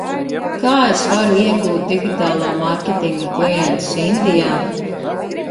Kā es varu iegūt digitālā mārketinga klientus Indijā?